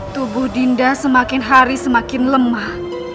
tubuh dinda semakin hari semakin lemah